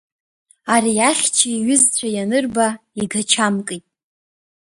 Ари ахьча иҩызцәа ианырба, игачамкит.